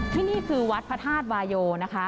ที่นี่คือวัดพระธาตุวายโยนะคะ